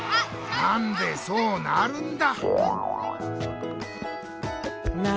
なんでそうなるんだ。